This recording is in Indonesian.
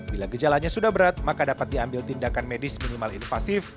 bila gejalanya sudah berat maka dapat diambil tindakan medis minimal invasif